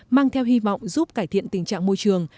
mang theo hy vọng giúp cải thiện tình trạng môi trường